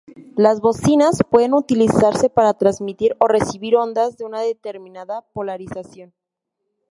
Las bocinas pueden utilizarse para transmitir o recibir ondas de una determinada polarización.